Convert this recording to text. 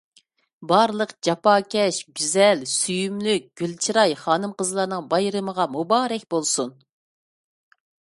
بارلىق جاپاكەش، گۈزەل، سۆيۈملۈك، گۈل چىراي خانىم-قىزلارنىڭ بايرىمىغا مۇبارەك بولسۇن.